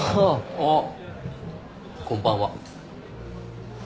あっこんばんは。